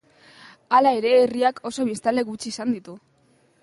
Hala ere, herriak oso biztanle gutxi izan ditu.